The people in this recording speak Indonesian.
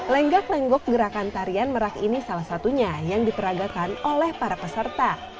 lenggak lenggok gerakan tarian merak ini salah satunya yang diperagakan oleh para peserta